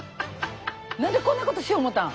何でこんなことしよう思たん。